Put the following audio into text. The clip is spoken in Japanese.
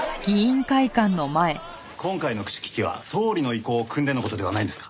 今回の口利きは総理の意向をくんでの事ではないんですか？